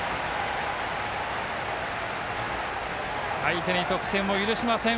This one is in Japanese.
相手に得点を許しません